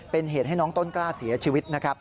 เป็นเหตุให้น้องต้นกล้าเสียชีวิตนะครับ